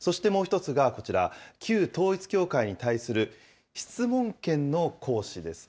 そしてもう１つがこちら、旧統一教会に対する質問権の行使です。